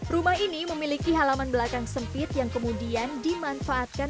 rumah ini memiliki halaman belakang sempit yang kemudian dimanfaatkan